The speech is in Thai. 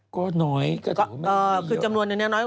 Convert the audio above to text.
ก็น้อยก็ถือมันมีเยอะกว่าคือจำนวนนี้น้อย